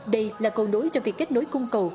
đây là cầu nối cho việc kết nối cung cầu